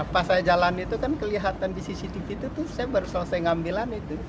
pas saya jalan itu kan kelihatan di cctv itu tuh saya baru selesai ngambilan itu